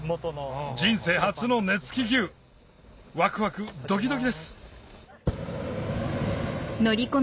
人生初の熱気球ワクワクドキドキです